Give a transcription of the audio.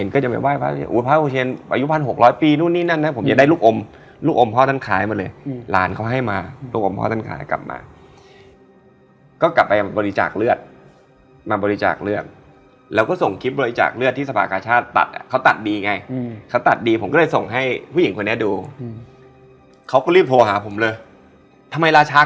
คือคือทุกคนเดินเดินน้ำหน้าไปแล้วค่ะเราถึงไปเด็ดมาอืม